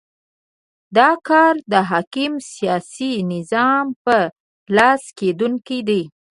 دا کار د حاکم سیاسي نظام په لاس کېدونی دی.